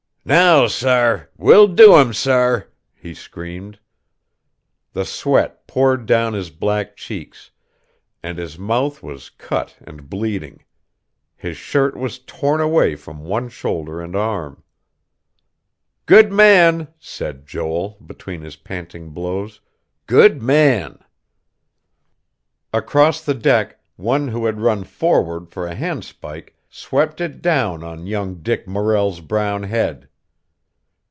"Now, sar, we'll do 'em, sar," he screamed. The sweat poured down his black cheeks; and his mouth was cut and bleeding. His shirt was torn away from one shoulder and arm.... "Good man," said Joel, between his panting blows. "Good man!" Across the deck, one who had run forward for a handspike swept it down on young Dick Morrel's brown head.